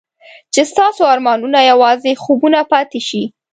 چې ستاسو ارمانونه یوازې خوبونه پاتې شي.